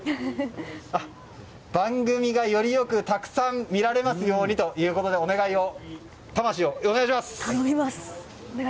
番組がよりよくたくさん見られますようにと魂をお願いします。